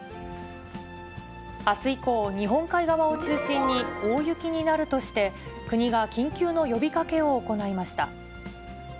あす以降、日本海側を中心に大雪になるとして、国が緊急の呼びかけを行いました。